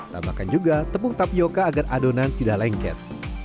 tambahkan juga tepung tapioca agar adonan tidak lengket